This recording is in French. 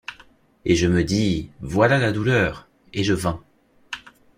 Et je me dis: Voilà la douleur! et je vins.